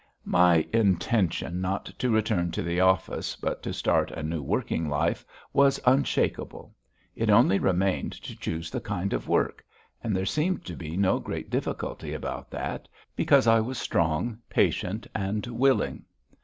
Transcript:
My intention not to return to the office, but to start a new working life, was unshakable. It only remained to choose the kind of work and there seemed to be no great difficulty about that, because I was strong, patient, and willing.